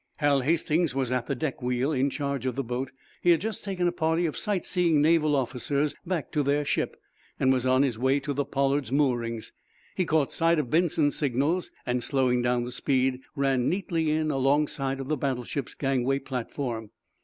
Hal Hastings was at the deck wheel, in charge of the boat. He had just taken a party of sightseeing naval officers back to their ship, and was on his way to the "Pollard's" moorings. He caught sight of Benson's signals, and, slowing down the speed, ran neatly in alongside of the battleship's gangway platform.